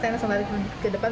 saya langsung ke depan